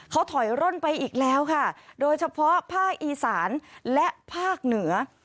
เขาถอยร่นไปอีกแล้วค่ะโดยเฉพาะภาคอีสานและภาคเหนือ